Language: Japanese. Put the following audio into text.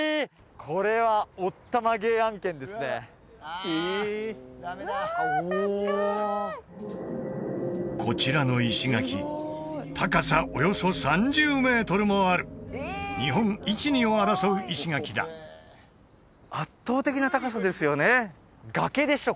これはこちらの石垣高さおよそ３０メートルもある日本一二を争う石垣だ圧倒的な高さですよね